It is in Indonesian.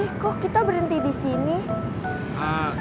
eh kok kita berhenti di sini